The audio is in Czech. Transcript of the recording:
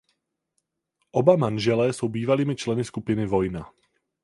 Oba manželé jsou bývalými členy skupiny Vojna.